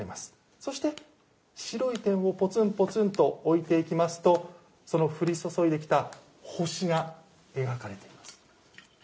そして白い点をぽつん、ぽつんと置いていきますとその降り注いできた星が描かれています。